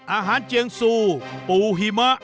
อาหารเจียงสูปูหิมะ